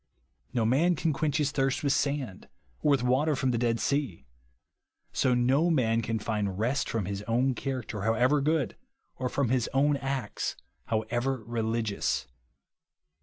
No ninn can quench his thirst with sand, or with water from the Dead Sea ; so no man can find rest from his own character however good, or from his o^vn acts however religious.